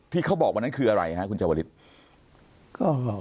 ที่เขาบอกวันนั้นคืออะไรครับคุณเจ้าบริษัท